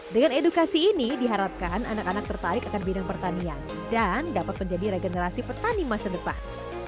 dengan edukasi ini diharapkan anak anak tertarik akan bidang pertanian dan dapat menjadi regenerasi petani masa depan